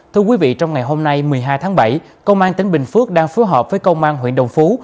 thưa quý vị trong ngày hôm nay một mươi hai tháng bảy công an tỉnh bình phước đang phối hợp với công an huyện đồng phú